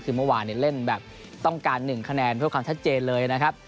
คือเมื่อวานเล่นแบบต้องการ๑คะแนนเพื่อความชัดเจนเลยนะครับ